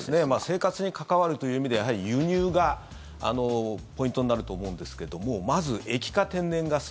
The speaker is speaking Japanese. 生活に関わるという意味ではやはり輸入がポイントになると思うんですけどもまず、液化天然ガス。